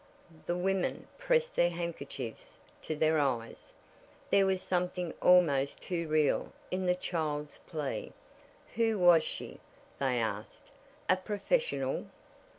The women pressed their handkerchiefs to their eyes. There was something almost too real in the child's plea. Who was she? they asked. A professional?